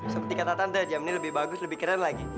seperti kata tante jam ini lebih bagus lebih keren lagi